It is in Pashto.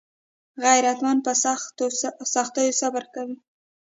غیرتمند په سختیو صبر کوي